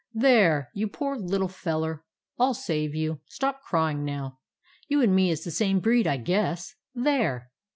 "There, you pore little feller. I 'll save you. Stop cryin' now. You and me is the the same breed, I guess. There!"